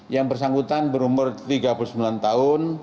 yang bersangkutan berumur tiga puluh sembilan tahun